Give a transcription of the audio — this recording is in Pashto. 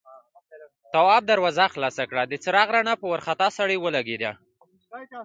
تواب دروازه خلاصه کړه، د څراغ رڼا په وارخطا سړي ولګېده.